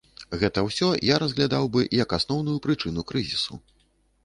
Гэта ўсё я разглядаў бы, як асноўную прычыну крызісу.